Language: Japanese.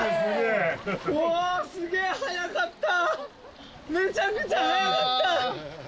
すげえ速かった。